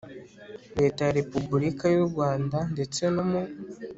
leta ya repubulika y u rwanda ndetse no mu